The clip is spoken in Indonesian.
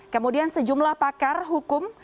kemudian sejumlah pakar hukum